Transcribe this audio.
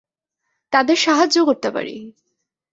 তাদের সাহায্য করতে পারি।